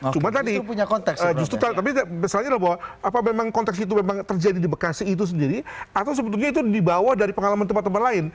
cuma tadi justru tapi misalnya bahwa apa memang konteks itu memang terjadi di bekasi itu sendiri atau sebetulnya itu dibawa dari pengalaman tempat tempat lain